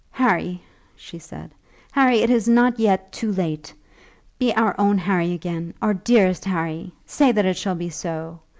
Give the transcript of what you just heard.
"Harry," she said, "Harry; it is not yet too late. Be our own Harry again; our dearest Harry. Say that it shall be so.